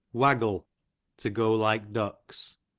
Waggle, to go like ducks.